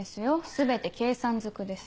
全て計算ずくです。